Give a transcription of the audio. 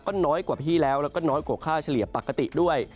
ก็น้อยกว่าพี่แล้วแล้วก็น้อยกว่าค่าเฉลี่ยปกติด้วย